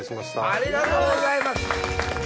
ありがとうございます！